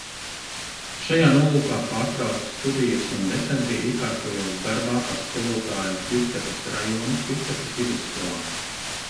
Šajā nolūkā pārtraucu studijas un decembrī iekārtojos darbā par skolotāju Tjuhtetas rajona Tjuhtetas vidusskolā.